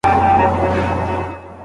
ور اغوستي یې په پښو کي وه زنګونه